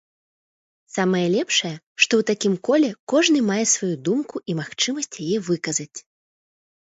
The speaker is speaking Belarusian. Самае лепшае, што ў такім коле кожны мае сваю думку і магчымасць яе выказаць.